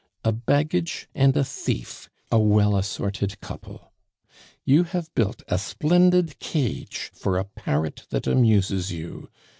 A baggage and a thief a well assorted couple! "You have built a splendid cage for a parrot that amuses you.